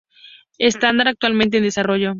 Estándar actualmente en desarrollo.